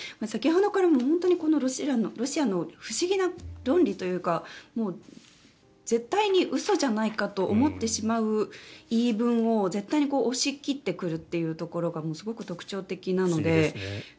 先ほどから本当にロシアの不思議な論理というか絶対に嘘じゃないかと思ってしまう言い分を絶対に押し切ってくるというところがすごく特徴的なので。